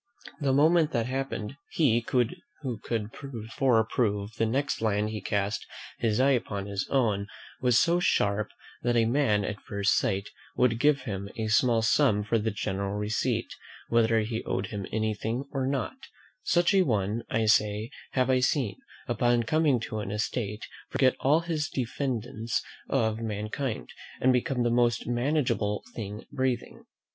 The moment that happened, he, who could before prove the next land he cast his eye upon his own; and was so sharp, that a man at first sight would give him a small sum for a general receipt, whether he owed him anything or not: such a one, I say, have I seen, upon coming to an estate, forget all his diffidence of mankind, and become the most manageable thing breathing.